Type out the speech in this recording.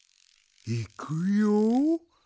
いくよ。